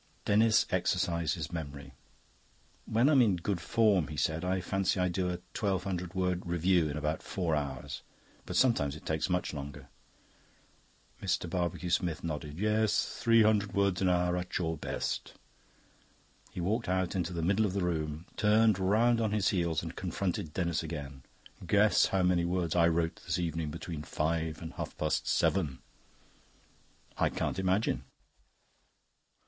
Denis exercised his memory. "When I'm in good form," he said, "I fancy I do a twelve hundred word review in about four hours. But sometimes it takes me much longer." Mr. Barbecue Smith nodded. "Yes, three hundred words an hour at your best." He walked out into the middle of the room, turned round on his heels, and confronted Denis again. "Guess how many words I wrote this evening between five and half past seven." "I can't imagine."